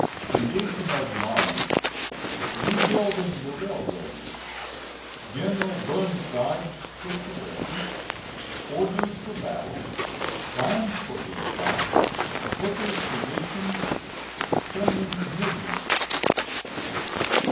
CONDITION OF THE ARMY REBUILDING THE RAILROAD GENERAL BURNSIDE'S SITUATION ORDERS FOR BATTLE PLANS FOR THE ATTACK HOOKER'S POSITION SHERMAN'S MOVEMENTS.